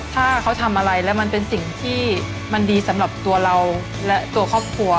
ถ้าเขาทำอะไรแล้วมันเป็นสิ่งที่มันดีสำหรับตัวเราและตัวครอบครัว